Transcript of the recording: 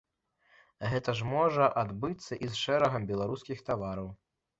Гэта ж можа адбыцца і з шэрагам беларускіх тавараў.